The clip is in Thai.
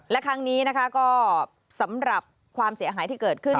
และครั้งนี้นะคะก็สำหรับความเสียหายที่เกิดขึ้น